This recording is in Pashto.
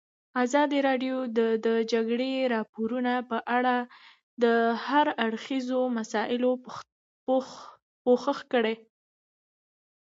ازادي راډیو د د جګړې راپورونه په اړه د هر اړخیزو مسایلو پوښښ کړی.